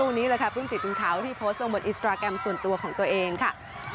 ซักครู่นี้แหละค่ะพรุ่งจิตรุงขาวที่โพสต์บนอินสตราแกรมส่วนตัวของตัวเองค่ะ